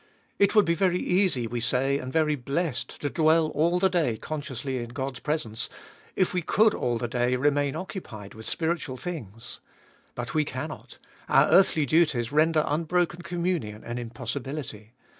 It would be very easy, we say, and very blessed to dwell all the day consciously in God's presence, if we eould all the day remain occupied with spiritual things. But we cannot — our earthly duties render unbroken communion an impossibility.